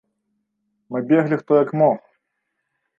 Мы беглі хто як мог.